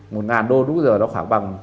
một ngàn đô lúc bây giờ nó khoảng bằng